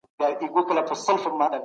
په هرات کي صنعتي کاروبار څنګه وده کړي ده؟